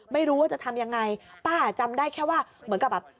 ไม่รู้ว่าจะทำยังไงป้าจำได้แค่ว่าเหมือนกับแบบ